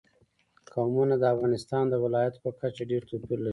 قومونه د افغانستان د ولایاتو په کچه ډېر توپیر لري.